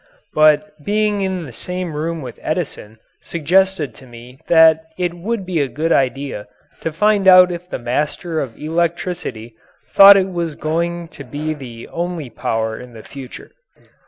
But being in the same room with Edison suggested to me that it would be a good idea to find out if the master of electricity thought it was going to be the only power in the future.